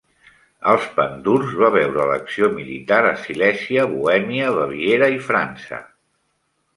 Els pandurs va veure l'acció militar a Silesia, Bohèmia, Baviera i França.